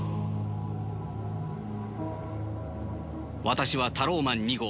私はタローマン２号。